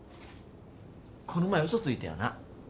この前嘘ついたよな？